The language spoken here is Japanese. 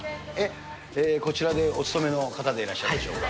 こちらでお勤めの方でいらっしゃいますでしょうか。